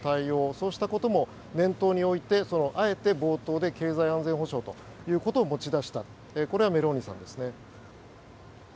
そうしたことも念頭に置いてあえて冒頭で経済安全保障ということを持ち出したこれがメローニさんです。